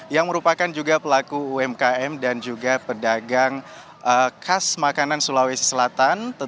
yang merupakan juga pelaku umkm dan juga pedagang khas makanan sulawesi selatan